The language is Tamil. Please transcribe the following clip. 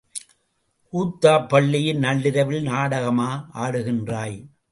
கூத்தப்பள்ளியில் நள்ளிரவில் நாடகமா ஆடுகின்றாய்?